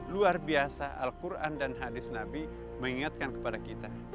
luar biasa al quran dan hadis nabi mengingatkan kepada kita